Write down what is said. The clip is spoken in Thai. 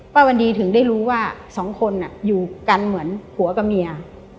วันดีถึงได้รู้ว่าสองคนอยู่กันเหมือนผัวกับเมีย